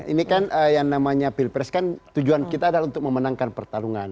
ini kan yang namanya pilpres kan tujuan kita adalah untuk memenangkan pertarungan